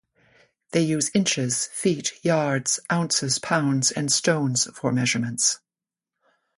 They use inches, feet, yards, ounces, pounds, and stones for measurements.